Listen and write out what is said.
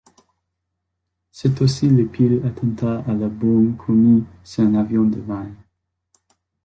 C'est aussi le pire attentat à la bombe commis sur un avion de ligne.